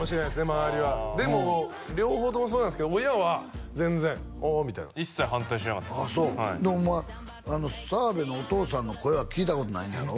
周りはでも両方ともそうなんですけど親は全然あみたいな一切反対しなかったですああそうでお前澤部のお父さんの声は聞いたことないんやろ？